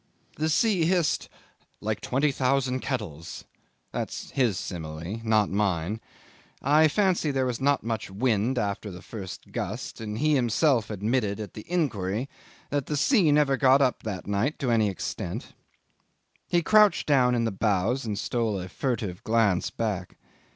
The sea hissed "like twenty thousand kettles." That's his simile, not mine. I fancy there was not much wind after the first gust; and he himself had admitted at the inquiry that the sea never got up that night to any extent. He crouched down in the bows and stole a furtive glance back.